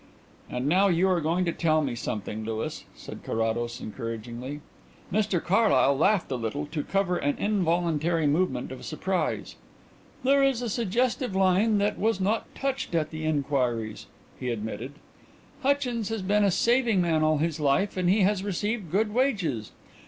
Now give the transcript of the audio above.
"And now you are going to tell me something, Louis," said Carrados encouragingly. Mr Carlyle laughed a little to cover an involuntary movement of surprise. "There is a suggestive line that was not touched at the inquiries," he admitted. "Hutchins has been a saving man all his life, and he has received good wages.